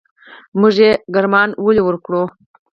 موږ يې ګرمانه ولې ورکړو.